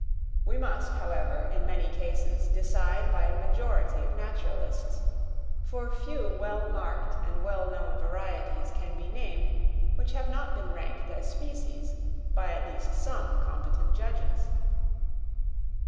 We must, however, in many cases, decide by a majority of naturalists, for few well marked and well known varieties can be named which have not been ranked as species by at least some competent judges.